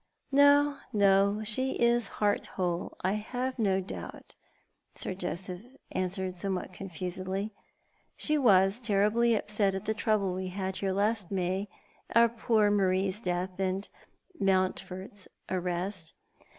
" No, no, she is heart whole, I have no doubt," Sir Joseph answered somewhat confusedly. " She was terribly upset at the trouble we had here last May — our poor Marie's death — and I^Iountford's arrest.